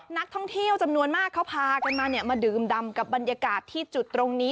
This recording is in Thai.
นักท่องเที่ยวจำนวนมากเขาพากันมามาดื่มดำกับบรรยากาศที่จุดตรงนี้